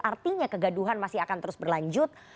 artinya kegaduhan masih akan terus berlanjut